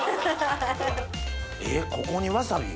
えっここにわさび？